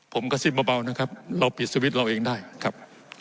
ผมกระซิบเบานะครับเราปิดสวิตช์เราเองได้ครับ